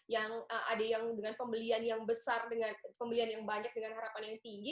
yang ada yang dengan pembelian yang besar dengan pembelian yang banyak dengan harapan yang tinggi